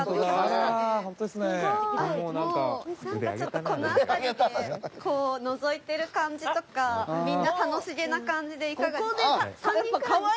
もうなんかちょっとこの辺りでこうのぞいてる感じとかみんな楽しげな感じでいかがですか？